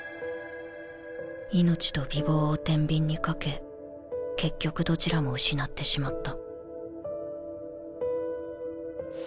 命と美貌を天秤にかけ結局どちらも失ってしまった。